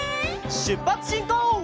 しゅっぱつしんこう！